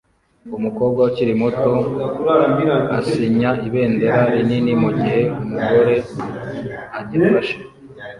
Umukobwa ukiri muto asinya ibendera rinini mugihe umugore agifashe